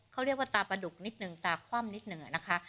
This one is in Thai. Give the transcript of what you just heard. เขาเรียกว่าตาประดุกนิดหนึ่งตาคว่ำนิดหนึ่งอะนะคะ